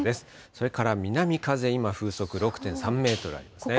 それから南風、今、風速６．３メートルありますね。